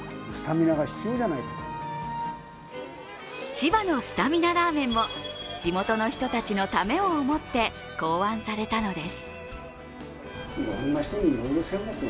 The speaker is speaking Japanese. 千葉のスタミナラーメンも地元の人たちのためを思って考案されたのです。